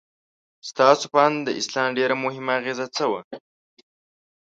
ستاسو په اند د اسلام ډېره مهمه اغیزه څه وه؟